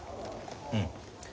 うん。